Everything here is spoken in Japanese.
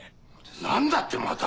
なんだってまた。